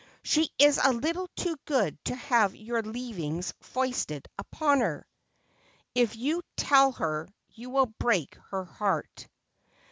She is a little too good to have your leavings foisted upon her.' ' If you tell her, you will break her heart.'